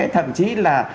thậm chí là